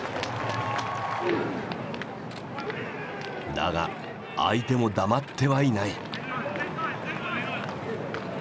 だが相手も黙ってはいない。